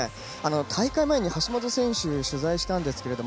大会前に橋本選手に取材したんですけど